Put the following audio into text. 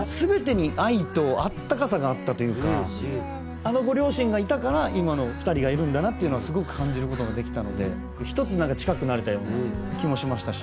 あのご両親がいたから今の２人がいるんだなっていうのをすごく感じる事ができたので１つなんか近くなれたような気もしましたし。